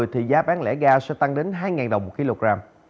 thì giá bán lẻ ga sẽ tăng đến hai đồng một kg